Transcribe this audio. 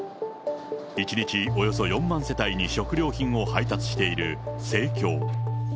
１日およそ４万世帯に食料品を配達している生協。